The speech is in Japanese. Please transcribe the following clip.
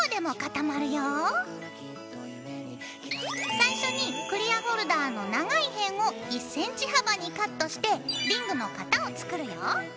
最初にクリアホルダーの長い辺を１ｃｍ幅にカットしてリングの型を作るよ。